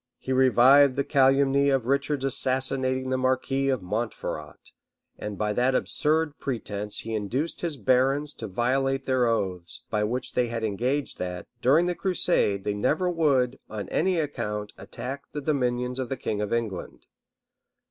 He revived the calumny of Richard's assassinating the marquis of Montferrat; and by that absurd pretence he induced his barons to violate their oaths, by which they had engaged that, during the crusade, they never would, on any account, attack the dominions of the king of England.